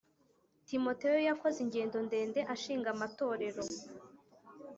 Timoteyo yakoze ingendo ndende ashinga amatorero